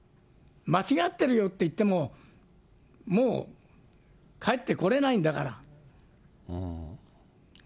間違ってるよって言っても、もうかえってこれないんだから。